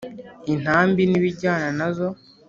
intambi n ibijyana nazo